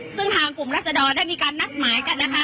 ซึ่งทางกลุ่มรัศดรได้มีการนัดหมายกันนะคะ